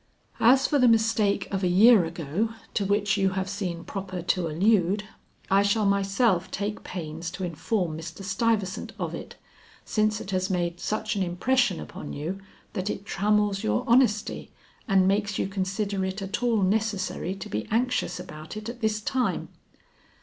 "As for the mistake of a year ago to which you have seen proper to allude, I shall myself take pains to inform Mr. Stuyvesant of it, since it has made such an impression upon you that it trammels your honesty and makes you consider it at all necessary to be anxious about it at this time."